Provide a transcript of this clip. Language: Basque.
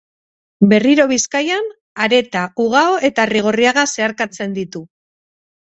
Berriro Bizkaian, Areta, Ugao eta Arrigorriaga zeharkatzen ditu.